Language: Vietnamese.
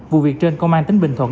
vụ việc trên công an tính bình thuận